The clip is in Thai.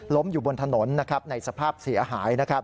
อยู่บนถนนในสภาพเสียหาย